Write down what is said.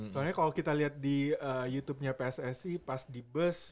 soalnya kalau kita lihat di youtubenya pssi pas di bus